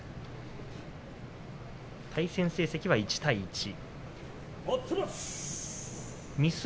対戦成績は１対１です。